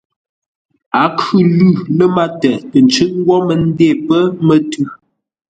A khʉ̂ lʉ̂ lə́ mátə tə ncʉʼ́ ngwó mə́ ndê pə́ mətʉ̌.